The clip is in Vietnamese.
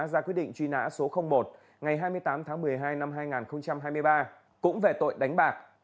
ra quyết định truy nã số một ngày hai mươi tám tháng một mươi hai năm hai nghìn hai mươi ba cũng về tội đánh bạc